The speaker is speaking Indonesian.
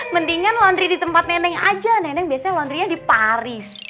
mendingan laundry di tempat neneng aja neneng biasanya laundry nya di paris